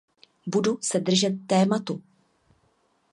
Budu se držet tématu.